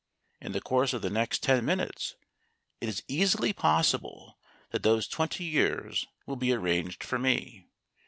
In the course of the next ten minutes it is easily possible that those twenty years will be arranged for me.